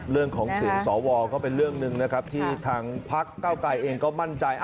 เรื่องของเสียงสวก็เป็นเรื่องหนึ่งนะครับที่ทางพักเก้าไกรเองก็มั่นใจ